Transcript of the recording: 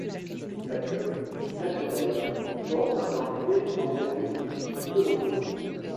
La queue, naturelle, forme un fouet d’environ de long.